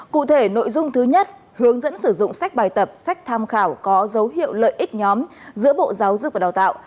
cụ thể nội dung thứ nhất hướng dẫn sử dụng sách bài tập sách tham khảo có dấu hiệu lợi ích nhóm giữa bộ giáo dục và đào tạo